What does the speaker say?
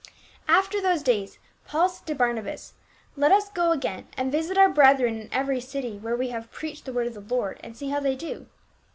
"* After those days Paul said to Barnabas, " Let us go again and visit our brethren in every city where we have preached the word of the Lord, and see how they do."